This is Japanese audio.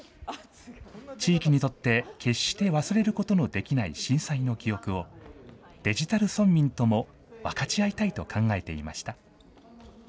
地域にとって決して忘れることのできない震災の記憶を、デジタル村民とも分かち合いたいと考えていました。